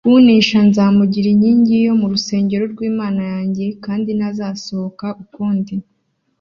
“Unesha nzamugira inkingi yo mu rusengero rw’Imana yanjye kandi ntazasohoka ukundi,